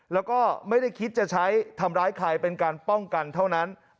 แล้วก็ไม่ได้คิดจะใช้ทำร้ายใครเป็นการป้องกันเท่านั้น